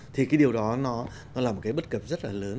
thì cái điều đó nó là một cái bất cập rất là lớn